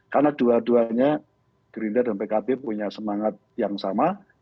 karena dua duanya gerindra dan pkp punya semangat yang sama